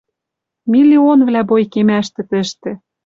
Миллионвлӓ бой кемӓштӹ тӹштӹ